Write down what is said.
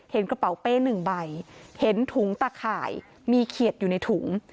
กระเป๋าเป้หนึ่งใบเห็นถุงตะข่ายมีเขียดอยู่ในถุง